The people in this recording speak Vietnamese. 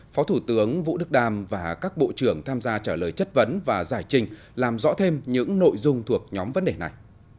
phó thủ tướng vũ đức đam và các bộ trưởng tham gia trả lời chất vấn và giải trình làm rõ thêm những nội dung thuộc nhóm vấn đề này